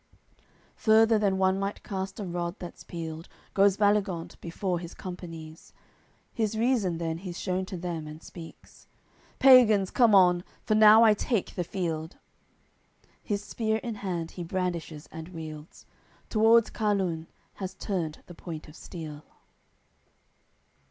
Further than one might cast a rod that's peeled Goes Baligant before his companies. His reason then he's shewn to them, and speaks: "Pagans, come on; for now I take the field." His spear in hand he brandishes and wields, Towards Carlun has turned the point of steel.